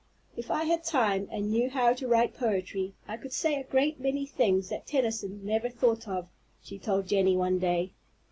"If I had time and knew how to write poetry, I could say a great many things that Tennyson never thought of," she told Jenny, one day.